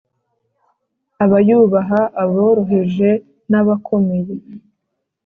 abayubaha aboroheje n abakomeye